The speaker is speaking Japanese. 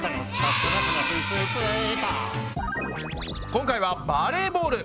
今回は「バレーボール」。